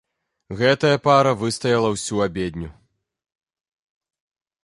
Гэтая пара выстаяла ўсю абедню.